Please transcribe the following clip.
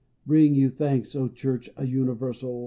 Bring your thanks, O Church universal.